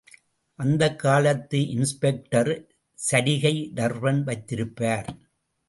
அந்தக் காலத்து இன்ஸ்பெக்டர் சரிகை டர்பன் வைத்திருப்பார்.